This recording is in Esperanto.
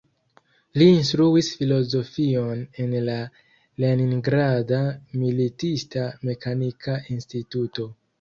Li instruis filozofion en la Leningrada Militista Mekanika Instituto.